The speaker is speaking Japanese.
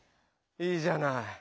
いいじゃない！